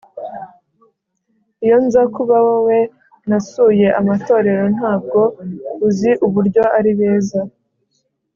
Iyo nza kuba wowe nasuye amatorero Ntabwo uzi uburyo ari beza